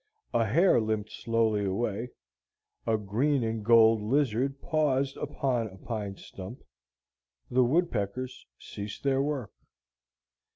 A hare limped slowly away, a green and gold lizard paused upon a pine stump, the woodpeckers ceased their work.